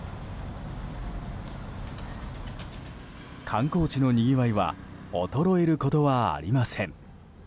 観光地のにぎわいは衰えることはありません。